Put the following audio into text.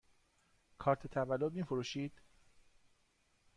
کارت تولد می فروشید؟